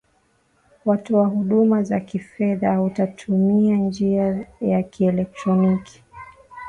watoa huduma za kifedha watatumia njia ya kielektroniki